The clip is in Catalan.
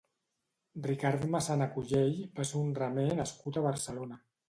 Ricard Massana Cullell va ser un remer nascut a Barcelona.